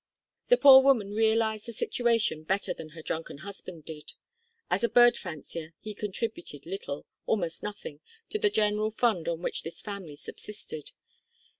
The poor woman realised the situation better than her drunken husband did. As a bird fancier he contributed little, almost nothing, to the general fund on which this family subsisted.